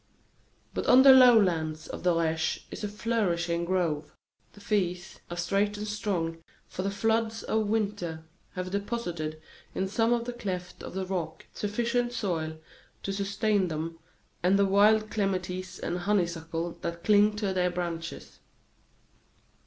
But on the lowlands of the Reche is a flourishing grove. The firs are straight and strong, for the floods of winter have deposited in some of the clefts of the rock sufficient soil to sustain them and the wild clematis and honeysuckle that cling to their branches.